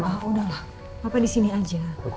pak surya disini aja